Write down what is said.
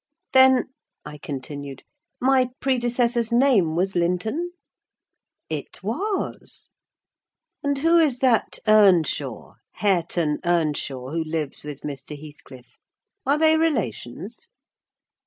"Then," I continued, "my predecessor's name was Linton?" "It was." "And who is that Earnshaw: Hareton Earnshaw, who lives with Mr. Heathcliff? Are they relations?"